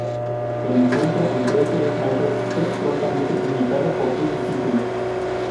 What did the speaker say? El encuentro entre estos dos maestros fue prontamente imitado por sus discípulos.